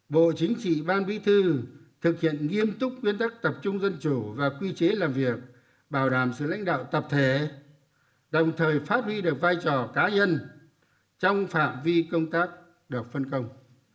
bộ chính trị ban bí thư thực hiện nghiêm túc nguyên tắc tập trung dân chủ và quy chế làm việc bảo đảm sự lãnh đạo tập thể đồng thời phát huy được vai trò cá nhân trong phạm vi công tác được phân công